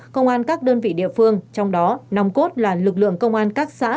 công an các đơn vị địa phương trong đó nòng cốt là lực lượng công an các xã